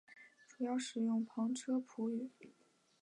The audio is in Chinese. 主要使用旁遮普语。